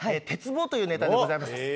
「鉄棒」というネタでございます。